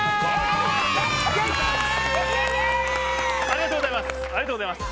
ありがとうございます。